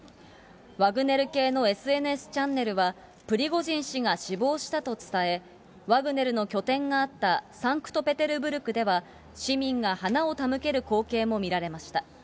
ワグネル系のＳＮＳチャンネルは、プリゴジン氏が死亡したと伝え、ワグネルの拠点があったサンクトペテルブルクでは、市民が花を手向ける光景も見られました。